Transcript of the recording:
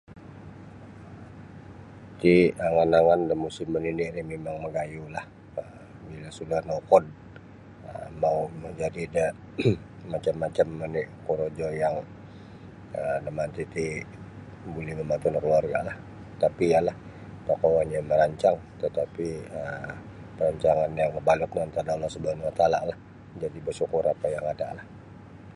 Iti angan-angan da musim manini ri mimang magayulah um bila sudah naukod um mau majadi da macam-macam oni korojo yang um damanti ti buli membantu da keluargalah tapi tokou hanya merancang tapi perancangan yang mabalut no antad da Allah subhanawataala jadi basukur apa yang adalah.